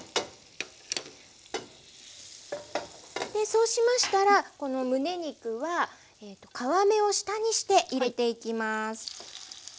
そうしましたらこのむね肉は皮目を下にして入れていきます。